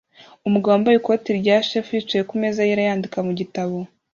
Umugabo wambaye ikoti rya chef yicaye kumeza yera yandika mugitabo